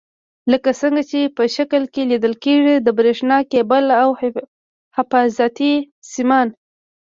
لکه څنګه چې په شکل کې لیدل کېږي د برېښنا کیبل او حفاظتي سیمان.